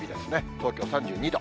東京３２度。